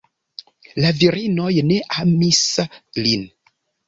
La virinoj ne amis lin.